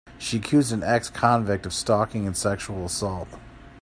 She accused an ex-convict of stalking and sexual assault.